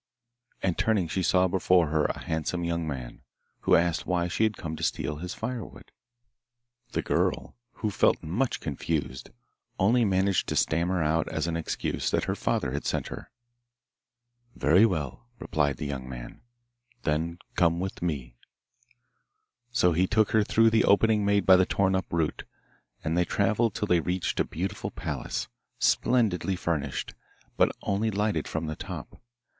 and turning she saw before her a handsome young man, who asked why she had come to steal his firewood. The girl, who felt much confused, only managed to stammer out as an excuse that her father had sent her. 'Very well,' replied the young man; 'then come with me.' So he took her through the opening made by the torn up root, and they travelled till they reached a beautiful palace, splendidly furnished, but only lighted from the top.